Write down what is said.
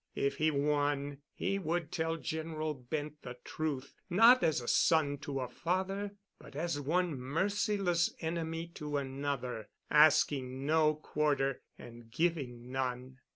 If he won he would tell General Bent the truth—not as a son to a father, but as one merciless enemy to another, asking no quarter and giving none.